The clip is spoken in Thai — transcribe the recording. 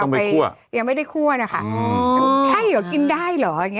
มึงทำได้อย่างไรมึงทำกับมึงได้อย่างไร